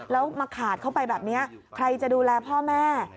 แล้วมาขาดเข้าไปแบบนี้ใครจะดูแลพ่อแม่